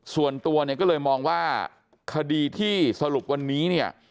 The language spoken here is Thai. ส่วนตัวเนี่ยก็เลยมองว่าคดีที่สรุปวันนี้เนี่ย